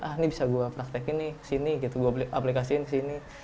ah ini bisa gue praktekin nih kesini gitu gue aplikasiin kesini